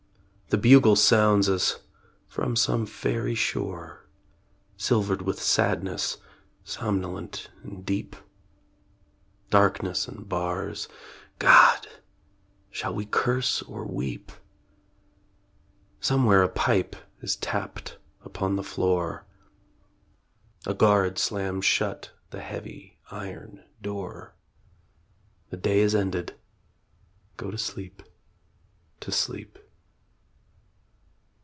The bugle sounds as from some faery shore Silvered with sadness, somnolent and deep. Darkness and bars ... God! shall we curse or weep? Somewhere a pipe is tapped upon the floor; A guard slams shut the heavy iron door; The day is ended go to sleep to sleep.